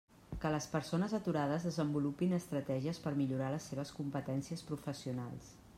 Que les persones aturades desenvolupin estratègies per millorar les seves competències professionals.